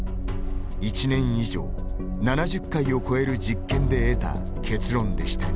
１年以上、７０回を超える実験で得た結論でした。